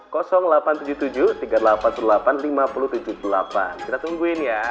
kita tungguin ya